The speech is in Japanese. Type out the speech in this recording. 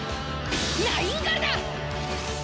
ナインガルダ！